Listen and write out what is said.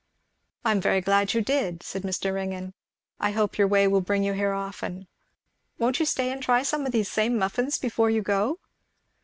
"I am very glad you did," said Mr. Ringgan. "I hope your way will bring you here often. Won't you stay and try some of these same muffins before you go?"